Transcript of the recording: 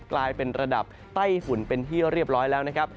กลายเป็นระดับใต้ฝุ่นเป็นที่เรียบร้อยแล้วนะครับ